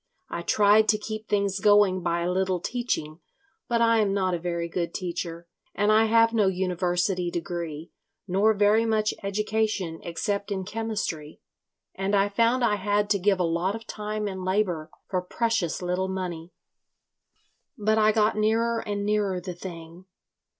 I tried to keep things going by a little teaching, but I am not a very good teacher, and I have no university degree, nor very much education except in chemistry, and I found I had to give a lot of time and labour for precious little money. But I got nearer and nearer the thing.